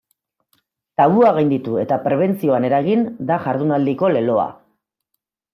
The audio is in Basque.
Tabua gainditu eta prebentzioan eragin da jardunaldiko leloa.